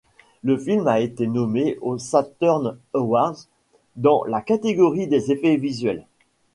Le film a été nommé aux Saturn Awards dans la catégorie des effets visuels.